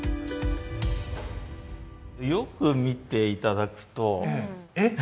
よく見て頂くと。